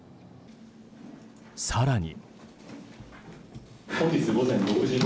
更に。